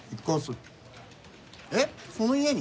えっその家に！？